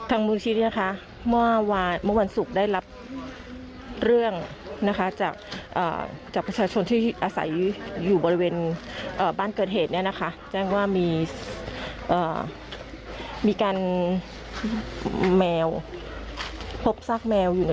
อันนี้คือซากสับแมวในนี้รวมแต่เป็นซากแมวนะ